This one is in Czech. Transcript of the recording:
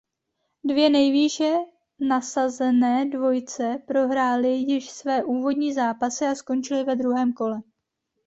Dvě nejvýše nasazené dvojice prohrály již své úvodní zápasy a skončily ve druhém kole.